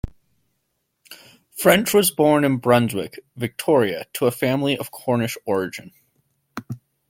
French was born in Brunswick, Victoria to a family of Cornish origin.